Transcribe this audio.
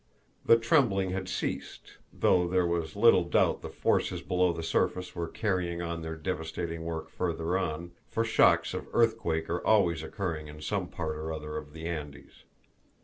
The trembling had ceased, though there was little doubt the forces below the surface were carrying on their devastating work further on, for shocks of earthquake are always occurring in some part or other of the Andes.